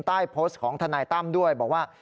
ใต้โพสต์ของทนายตั้มด้วยบอกว่า